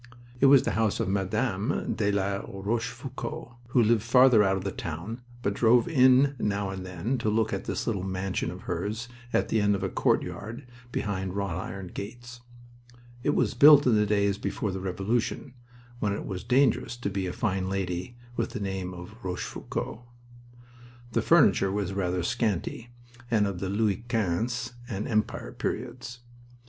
It was the house of Mme. de la Rochefoucauld, who lived farther out of the town, but drove in now and then to look at this little mansion of hers at the end of a courtyard behind wrought iron gates. It was built in the days before the Revolution, when it was dangerous to be a fine lady with the name of Rochefoucauld. The furniture was rather scanty, and was of the Louis Quinze and Empire periods.